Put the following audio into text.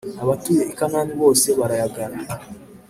abatuye i kanāni bose barayagāra.